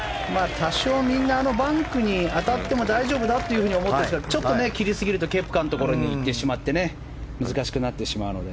多少、みんなあのバンクに当たっても大丈夫だと思っててもちょっと切りすぎるとケプカのところにいってしまって難しくなってしまうので。